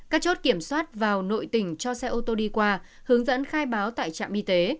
các chốt kiểm soát vào nội tỉnh cho xe ô tô đi qua hướng dẫn khai báo tại trạm y tế